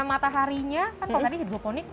mataharinya kan tadi di dupo ini